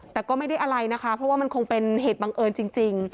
แต่ก็ไม่ได้อะไรนะคะเพราะว่ามันคงเป็นเหตุบังเอิญจริง